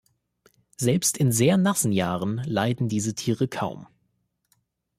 Selbst in sehr nassen Jahren leiden diese Tiere kaum.